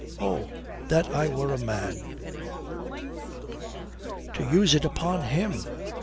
Oh, that I were a man!" "To use it upon him!